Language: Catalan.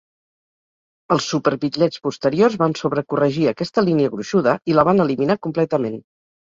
Els superbitllets posteriors van sobrecorregir aquesta línia gruixuda i la van eliminar completament.